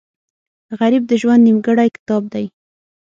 غریب د ژوند نیمګړی کتاب دی